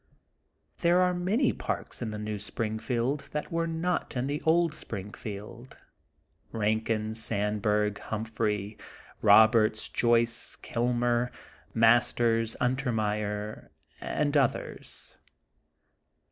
There are many parks in the New Springfield that were not in the old Springfield: Bankin, Sandburg, Humphrey, Roberts, Joyce J^lmer, Masters, Untermeyer, and others.